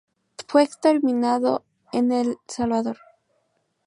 Fue exterminado en El Salvador.